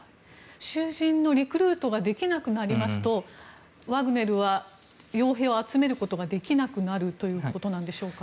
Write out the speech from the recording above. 囚人のリクルートができなくなりますとワグネルは傭兵を集めることができなくなるということなんでしょうか。